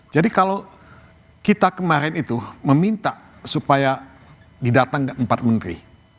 jadi kalau kita kemarin itu meminta supaya didatang ke empat menteri